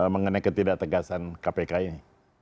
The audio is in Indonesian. mengenai ketidak tegasan kpk ini